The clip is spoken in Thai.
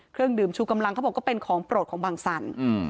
เครื่องดื่มชูกำลังเขาบอกก็เป็นของโปรดของบังสัน